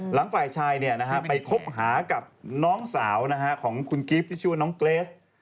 ฝ่ายชายไปคบหากับน้องสาวของคุณกิฟต์ที่ชื่อว่าน้องเกรส